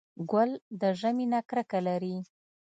ګل د ژمي نه کرکه لري.